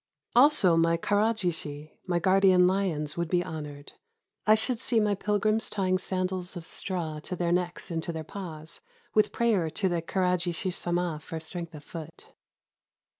Also my Karashishi, my guardian lions, would be hon ored. I should see my pilgrims tying sandals of straw to their necks and to their paws, with prayer to the Karashishi Sama for strength of foot.